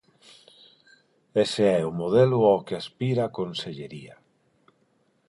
Ese é o modelo ao que aspira a consellería.